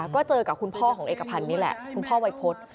ก็เจอกับคุณพ่อของเอกพันธ์นี่แหละคุณพ่อวัยพฤษ